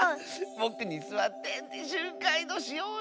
ぼくにすわってしゅんかんいどうしようよ！